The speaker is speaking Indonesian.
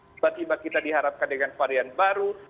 tiba tiba kita diharapkan dengan varian baru